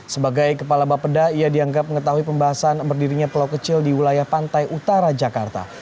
sebagai kepala bapeda ia dianggap mengetahui pembahasan berdirinya pulau kecil di wilayah pantai utara jakarta